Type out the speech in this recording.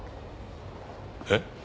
えっ？